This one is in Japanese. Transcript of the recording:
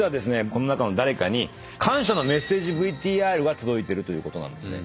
この中の誰かに感謝のメッセージＶＴＲが届いてるということなんですね。